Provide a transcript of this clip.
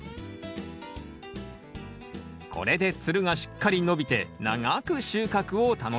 これでつるがしっかり伸びて長く収穫を楽しめます